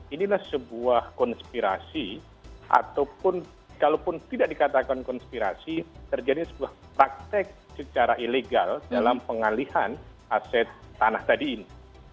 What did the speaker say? inilah sebuah konspirasi ataupun kalaupun tidak dikatakan konspirasi terjadi sebuah praktek secara ilegal dalam pengalihan aset tanah tadi ini